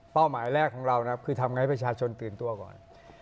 เป้าหมายแรกของเราคือทำไงให้ประชาชนตื่นตัวก่อน